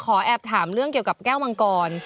แอบถามเรื่องเกี่ยวกับแก้วมังกร